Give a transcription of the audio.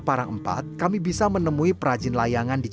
sedangkan peninginannya the air